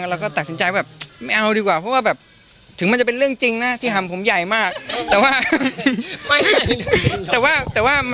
เราไปไหนไม่ได้อะไรอย่างเงี้ยครับ